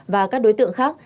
và các đối tượng khác